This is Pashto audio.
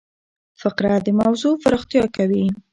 فقره د موضوع پراختیا کوي.